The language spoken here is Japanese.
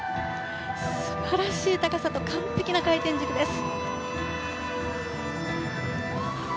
素晴らしい高さと完璧な回転軸です。